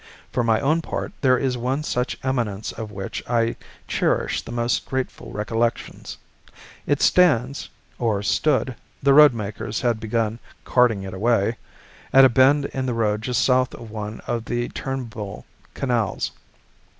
For my own part, there is one such eminence of which I cherish the most grateful recollections. It stands (or stood; the road makers had begun carting it away) at a bend in the road just south of one of the Turnbull canals.